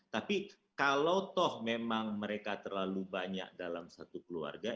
tapi kalau toh memang mereka terlalu banyak dalam satu keluarga